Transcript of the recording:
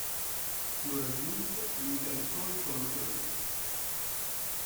Lo raggiunse e gli carezzò il collo peloso.